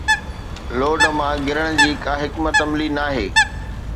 load مان گرڻ جي ڪا حڪمت عملي ناهي